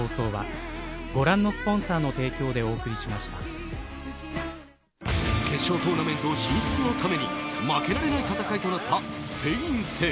へぇ決勝トーナメント進出のために負けられない戦いとなったスペイン戦。